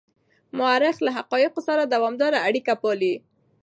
مورخ له حقایقو سره دوامداره اړیکه پالي.